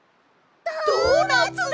ドーナツだ！